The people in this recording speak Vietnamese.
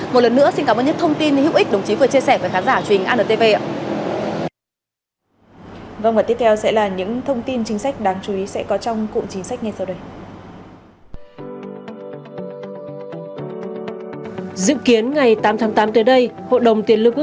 một lần nữa xin cảm ơn nhất thông tin hữu ích đồng chí vừa chia sẻ với khán giả truyền anntv